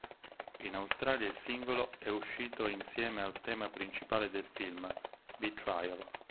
In Australia, il singolo è uscito insieme al tema principale del film, "Betrayal".